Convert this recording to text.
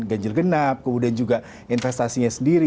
ganjil genap kemudian juga investasinya sendiri